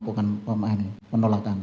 saya tidak akan menolak